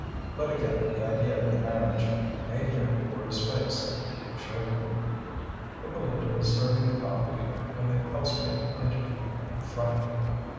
But again the idea of the marriage, made here before his face, reassured him. Hippolyte was serving the coffee when the housemaid entered in a fright.